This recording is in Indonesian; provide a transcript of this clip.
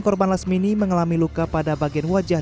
korban lesmini mengalami luka pada bagian wajahnya